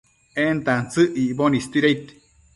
en tantsëc icboc istuidaid